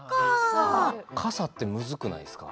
傘って難くないですか？